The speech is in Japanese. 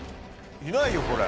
いないよこれ。